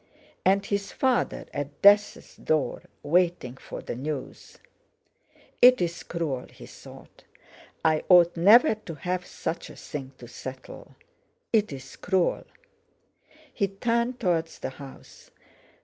And his father—at death's door, waiting for the news! "It's cruel!" he thought; "I ought never to have such a thing to settle! It's cruel!" He turned towards the house.